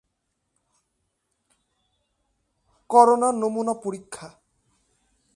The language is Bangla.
করোনা নমুনা পরীক্ষা